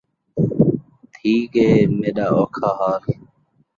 تھی گے میݙا اوکھا حال